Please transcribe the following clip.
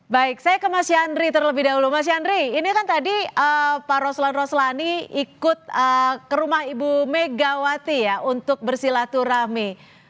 baik saya ke mas yandri terlebih dahulu mas yandri ini kan tadi pak roslan roslani ikut ke rumah ibu megawati ya untuk bersilaturahmi